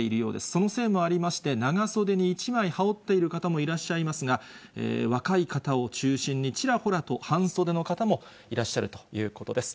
そのせいもありまして、長袖に一枚羽織っている方もいらっしゃいますが、若い方を中心にちらほらと半袖の方もいらっしゃるということです。